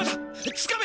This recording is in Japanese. つかめ！